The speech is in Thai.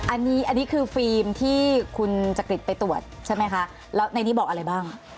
อันนี้อันนี้คือฟิล์มที่คุณจักริตไปตรวจใช่ไหมคะแล้วในนี้บอกอะไรบ้าง